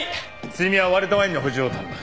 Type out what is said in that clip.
梅雨美は割れたワインの補充を頼む。